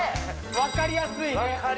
分かりやすい！